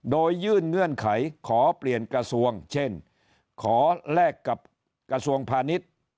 โดยยื่นเงื่อนไขขอเปลี่ยนกระทรวงเช่นขอแลกกับกระทรวงพาณิชย์